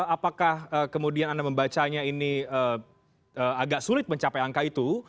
apakah kemudian anda membacanya ini agak sulit mencapai angka itu